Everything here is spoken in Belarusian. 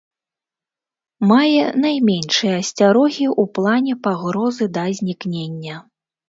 Мае найменшыя асцярогі ў плане пагрозы да знікнення.